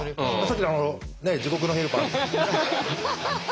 さっきの地獄のヘルパー。